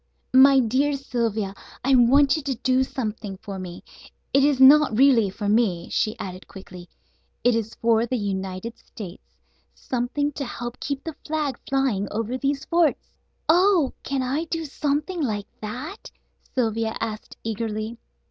"My dear Sylvia, I want you to do something for me; it is not really for me," she added quickly, "it is for the United States. Something to help keep the flag flying over these forts." "Oh, can I do something like that?" Sylvia asked eagerly.